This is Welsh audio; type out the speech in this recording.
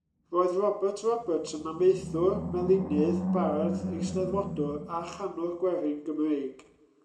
Roedd Robert Roberts yn amaethwr, melinydd, bardd, eisteddfodwr a chanwr gwerin Gymreig.